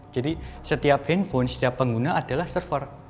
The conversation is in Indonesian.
jadi setiap handphone setiap pengguna adalah server